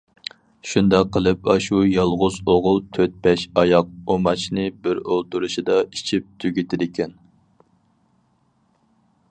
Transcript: شۇنداق قىلىپ ئاشۇ يالغۇز ئوغۇل تۆت- بەش ئاياق ئۇماچنى بىر ئولتۇرۇشىدا ئىچىپ تۈگىتىدىكەن.